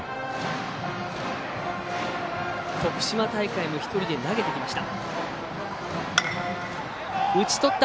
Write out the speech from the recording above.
徳島大会も１人で投げてきました。